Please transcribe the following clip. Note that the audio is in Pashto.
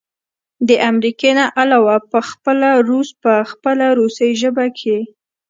د امريکې نه علاوه پخپله روس په خپله روسۍ ژبه کښې